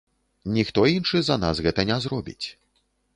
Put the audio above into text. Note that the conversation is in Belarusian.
Ніхто іншы за нас гэта не зробіць.